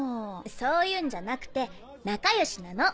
そういうんじゃなくて仲良しなの。